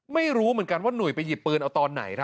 ไม่รู้นายไปหยิบปืนไว้ตอนไหน